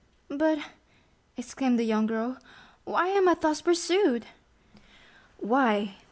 "But," exclaimed the young girl, "why am I thus pursued?" "Why?